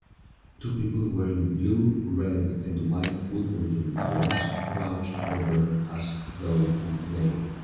Two people wearing blue, red, and white football uniforms crouched over as though in play.